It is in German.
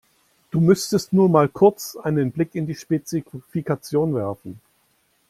Du müsstest nur mal kurz einen Blick in die Spezifikation werfen.